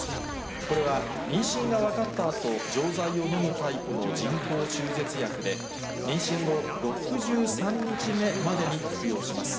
これは妊娠が分かったあと、錠剤を飲むタイプの人工中絶薬で、妊娠後６３日目までに服用します。